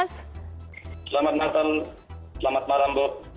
selamat malam selamat malam bu